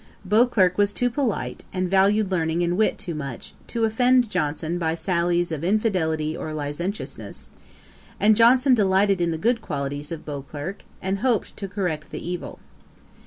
Beauclerk was too polite, and valued learning and wit too much, to offend Johnson by sallies of infidelity or licentiousness; and Johnson delighted in the good qualities of Beauclerk, and hoped to correct the evil.